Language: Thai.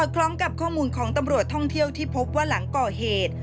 คล้องกับข้อมูลของตำรวจท่องเที่ยวที่พบว่าหลังก่อเหตุ